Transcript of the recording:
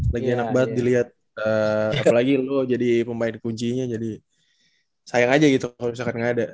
lagi enak banget dilihat apalagi lo jadi pemain kuncinya jadi sayang aja gitu kalau misalkan nggak ada